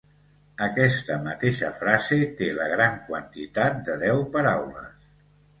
Aquesta mateixa frase té la gran quantitat de deu paraules.